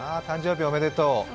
誕生日おめでとう。